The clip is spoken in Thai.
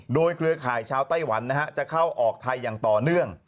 โดยเครือข่ายชาวไต้หวันจะเข้าออกไทยอย่างต่อเนื่อง